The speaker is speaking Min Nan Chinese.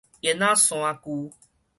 煙仔鯊舅